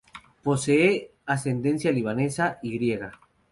Posee ascendencia libanesa y griega.